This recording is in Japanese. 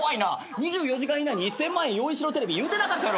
２４時間以内に１，０００万円用意しろテレビ言うてなかったやろ。